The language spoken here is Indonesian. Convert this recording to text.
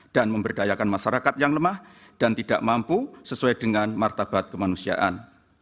dan memberdayakan masyarakat yang lemah dan tidak mampu sesuai dengan martabat kemanusiaan